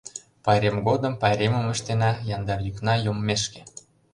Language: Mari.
Пайрем годым пайремым ыштена, Яндар йӱкна йоммешке.